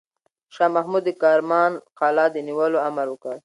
شاه محمود د کرمان قلعه د نیولو امر وکړ.